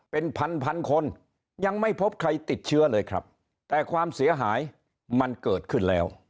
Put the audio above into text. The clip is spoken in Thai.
เป็นพันพันคนยังไม่พบใครติดเชื้อเลยครับแต่ความเสียหายมันเกิดขึ้นแล้ว